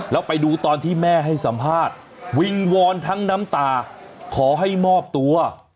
แล้วไปดูตอนที่แม่ให้สัมภาษณ์วิงวอนทั้งน้ำตาขอให้มอบตัว